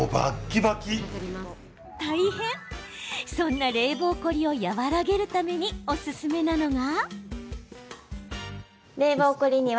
そんな冷房凝りを和らげるためにおすすめなのが。